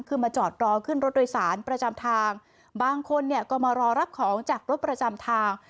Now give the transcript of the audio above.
คือมาจอดรอขึ้นรถโดยสารประจำทางบางคนเนี่ยก็มารอรับของจากรถประจำทาง